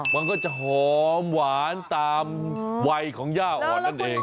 มันก็จะหอมหวานตามวัยของย่าอ่อนนั่นเอง